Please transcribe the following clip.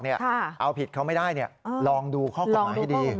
เอาผิดเขาไม่ได้ลองดูข้อกฎหมายให้ดี